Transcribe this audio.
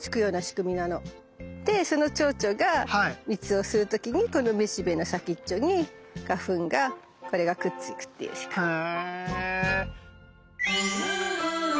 でそのチョウチョが蜜を吸う時にこのめしべの先っちょに花粉がこれがくっつくっていう仕組み。へ。